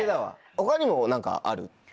他にも何かある？